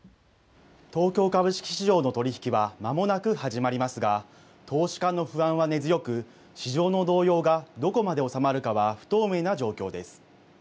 東京株式市場の取り引きはまもなく始まりますが、投資家の不安は根強く市場の動揺がどこまで収まるかは不透明な状況です。